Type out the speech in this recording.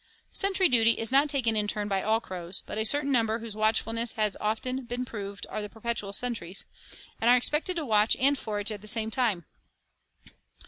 Sentry duty is not taken in turn by all the crows, but a certain number whose watchfulness has been often proved are the perpetual sentries, and are expected to watch and forage at the same time.